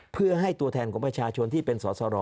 เพื่อให้ตัวแทนของประชาชนที่เป็นสอสร